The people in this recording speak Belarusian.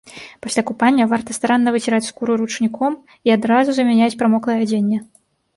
Пасля купання варта старанна выціраць скуру ручніком і адразу замяняць прамоклае адзенне.